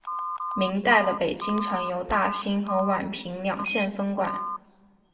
明代的北京城由大兴和宛平两县分管。